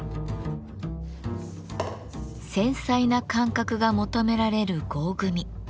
繊細な感覚が求められる合組。